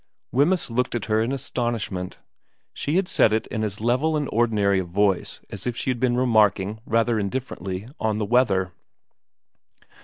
Wemyss looked at her in astonishment. She had said it in as level and ordinary a voice as if she had been remarking, rather indifferently, on the weather.